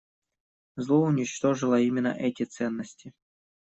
Зло уничтожило именно эти ценности.